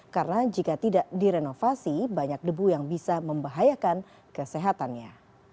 karena jika tidak direnovasi banyak debu yang bisa membahayakan kesehatannya